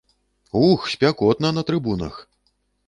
Ух, спякотна на трыбунах!